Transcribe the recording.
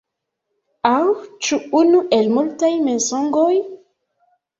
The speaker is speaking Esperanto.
Aŭ ĉu unu el multaj mensogoj?